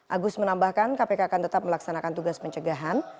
agus menambahkan kpk akan tetap melaksanakan tugas pencegahan